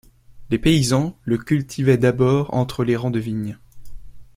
Les paysans le cultivaient d'abord entre les rangs de vigne.